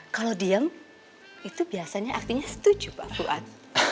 kalau diem itu biasanya artinya setuju pak fuad